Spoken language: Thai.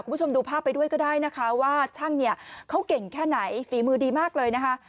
คุณผู้ชมดูภาพไปด้วยก็ได้นะคะว่าช่างเนี่ยเขาเก่งแค่ไหนฝีมือดีมากเลยนะคะ